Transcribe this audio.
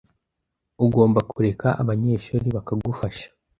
Ugomba kureka abanyeshuri bakagufasha